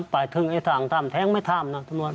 ไปถึงไอ้ทางถ้ำแท้งไม่ถ้ำนะตำรวจ